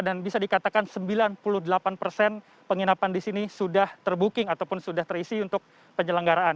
bisa dikatakan sembilan puluh delapan persen penginapan di sini sudah terbooking ataupun sudah terisi untuk penyelenggaraan